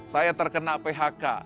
saya terkena phk